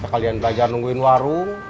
kalian belajar nungguin warung